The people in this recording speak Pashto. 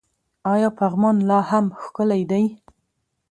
آیا پغمان لا هم ښکلی دی؟